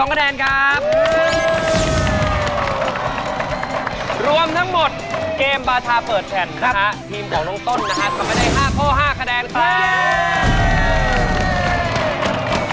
กลับมาได้๕ข้อ๕คะแนนครับ